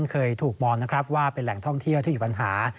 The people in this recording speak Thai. เคยถูกมองนะครับว่าเป็นแหล่งท่องเที่ยวที่มีปัญหา